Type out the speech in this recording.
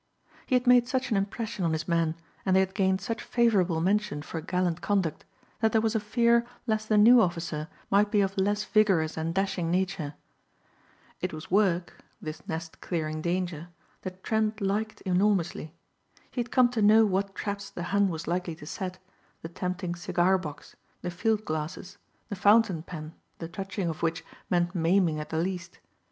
He had made such an impression on his men and they had gained such favorable mention for gallant conduct that there was a fear lest the new officer might be of less vigorous and dashing nature. It was work, this nest clearing danger, that Trent liked enormously. He had come to know what traps the Hun was likely to set, the tempting cigar box, the field glasses, the fountain pen the touching of which meant maiming at the least.